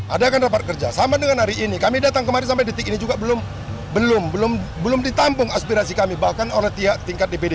adakan rapat kerja sama dengan hari ini kami datang kemarin sampai detik ini juga belum ditampung aspirasi kami bahkan oleh tingkat dpd